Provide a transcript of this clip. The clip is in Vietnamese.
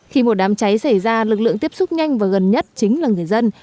khi một đám cháy xảy ra lực lượng tiếp xúc nhanh và gần nhất chính là người dân